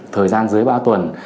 thời gian dưới ba tuần